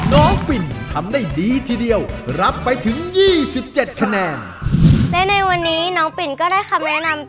และในวันนี้น้องปิ่นก็ได้คำแนะนำ